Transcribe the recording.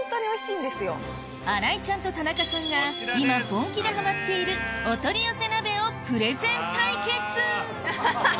新井ちゃんと田中さんが今本気でハマっているお取り寄せ鍋をプレゼン対決アハハハハ。